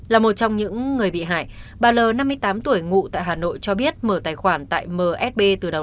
là một trong những người bị hại bà l năm mươi tám tuổi ngụ tại hà nội cho biết mở tài khoản tại msb từ đầu